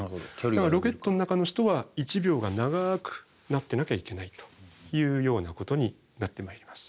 だからロケットの中の人は１秒が長くなってなきゃいけないというようなことになってまいります。